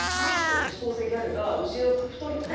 女子高生ギャルが後ろ２人。